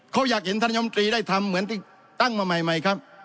เขาอยากเห็นท่านยมตรีได้ทำเหมือนที่ตั้งมาใหม่ครับ